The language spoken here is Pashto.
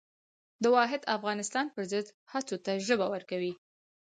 د واحد افغانستان پر ضد هڅو ته ژبه ورکوي.